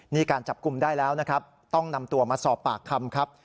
นี่การจับกลุ่มได้แล้วนะครับต้องนำตัวมาสอบปากคำครับ